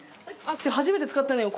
初めて使ったのよ。